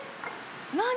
何？